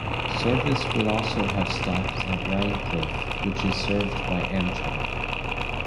Service would have also stopped at Rhinecliff, which is served by Amtrak.